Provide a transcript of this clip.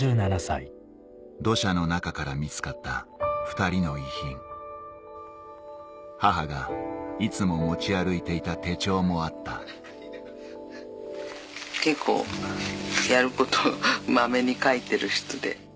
土砂の中から見つかった２人の遺品母がいつも持ち歩いていた手帳もあった結構やることまめに書いてる人で。